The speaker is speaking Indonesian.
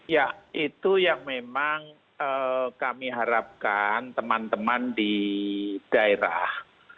ya itu yang memang kami harapkan teman teman di daerah